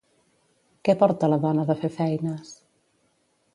Què porta la dona de fer feines?